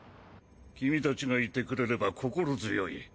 君たちがいてくれれば心強い。